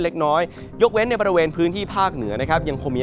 เล็กน้อยยกเว้นในบริเวณพื้นที่ภาคเหนือนะครับยังคงมี